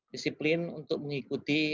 disiplin untuk mengikuti